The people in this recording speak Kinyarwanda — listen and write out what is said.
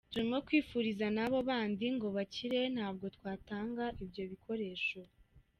Turimo kwifuriza n’abo bandi ngo bakire ntabwo twatanga ibyo bikoresho.